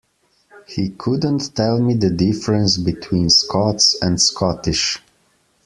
He couldn't tell me the difference between Scots and Scottish